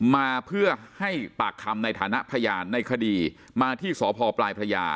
มาเพื่อให้ปากคำในฐานะพยานในคดีมาที่สพพ